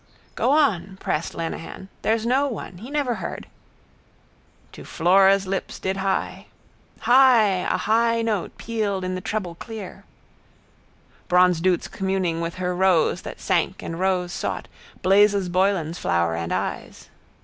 —Go on, pressed Lenehan. There's no one. He never heard. —... to Flora's lips did hie. High, a high note pealed in the treble clear. Bronzedouce communing with her rose that sank and rose sought Blazes Boylan's flower and eyes.